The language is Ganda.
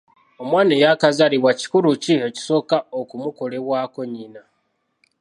Omwana eyaakazaalibwa kikulu ki ekisooka okumukolebwako nnyina?